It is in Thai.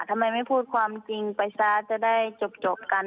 ทำไมไม่พูดความจริงไปซะจะได้จบกัน